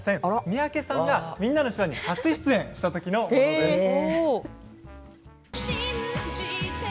三宅さんが「みんなの手話」に初出演した時のものです。